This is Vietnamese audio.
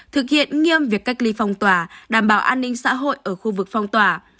thực hiện nghiêm việc cách ly phong tỏa đảm bảo an ninh xã hội ở khu vực phong tỏa